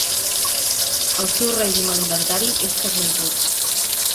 El seu règim alimentari és carnívor.